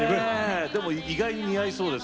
でも意外に似合いそうです。